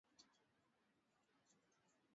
Vyombo vitakavyo tumika katika upishi wa viazi lishe